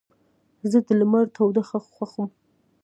زه د لمر تودوخه خوښوم.